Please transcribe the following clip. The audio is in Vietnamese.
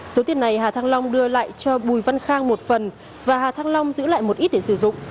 số tiền này hà thăng long đưa lại cho bùi văn khang một phần và hà thăng long giữ lại một ít để sử dụng